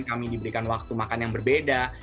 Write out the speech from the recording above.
kami diberikan waktu makan yang berbeda